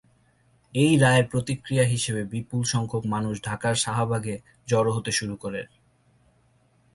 এই রায়ের প্রতিক্রিয়া হিসেবে বিপুল সংখ্যক মানুষ ঢাকার শাহবাগে জড়ো হতে শুরু করে।